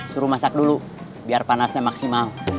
suruh masak dulu biar panasnya maksimal